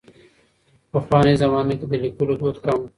پخوانۍ زمانه کې د لیکلو دود کم و.